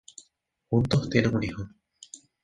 Juntos tienen un hijo.